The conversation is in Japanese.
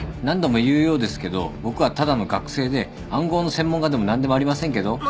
何度も言うようですけど僕はただの学生で暗号の専門家でも何でもありませんけど。